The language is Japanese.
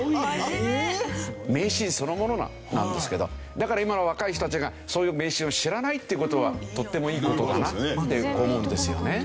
だから今の若い人たちがそういう迷信を知らないっていう事はとってもいい事だなって思うんですよね。